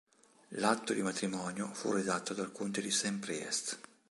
L'atto di matrimonio fu redatto dal conte di Saint Priest.